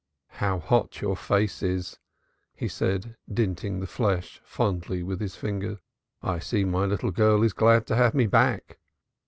"How hot your face is," he said, dinting the flesh fondly with his finger, "I see my little girl is glad to have me back."